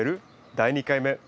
第２回目。